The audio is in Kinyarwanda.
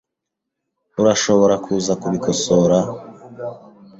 Urashobora kuza kubikosora?